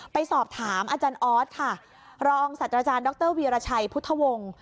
ไปสอบถามอาจารย์ออสค่ะรองศัตว์อาจารย์ดรวีรชัยพุทธวงศ์